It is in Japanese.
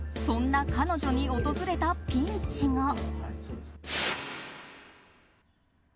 そんな彼女に訪れたピンチが。